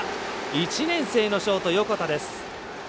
１年生のショート、横田です。